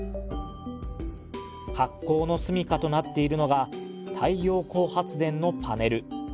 格好の住みかとなっているのが太陽光発電のパネル。